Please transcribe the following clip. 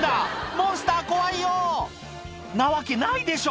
「モンスター怖いよ」んなわけないでしょ